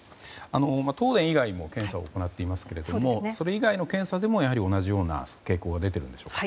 東電以外にも検査を行っていますけれどもそれ以外の検査でも同じような傾向が出ているんでしょうか。